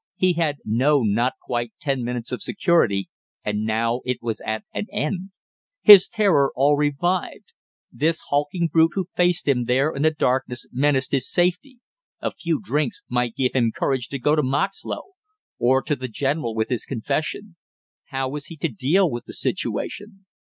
He had known not quite ten minutes of security and now it was at an end; his terror all revived; this hulking brute who faced him there in the darkness menaced his safety, a few drinks might give him courage to go to Moxlow or to the general with his confession. How was he to deal with the situation?